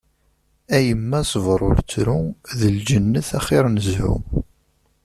A yemma sber ur ttru, d lǧennet axir n zhu.